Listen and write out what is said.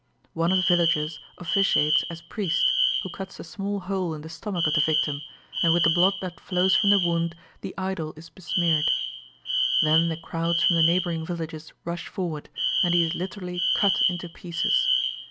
One of the villagers officiates as priest, who cuts a small hole in the stomach of the victim, and with the blood that flows from the wound the idol is besmeared. Then the crowds from the neighbouring villages rush forward, and he is literally cut into pieces.